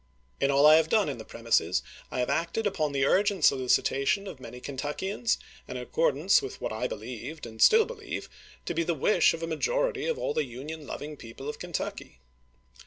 In all I have done in the premises I have acted upon the urgent solicitation of many Ken tuckians, and in accordance with what I believed, and stOl believe, to be the wish of a majority of all the Union loving people of Kentucky.